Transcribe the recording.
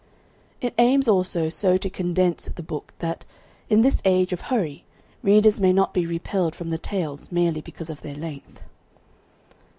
It aims also so to condense the book that, in this age of hurry, readers may not be repelled from the tales merely because of their length.